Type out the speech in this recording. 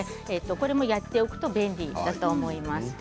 やっておくと便利だと思います。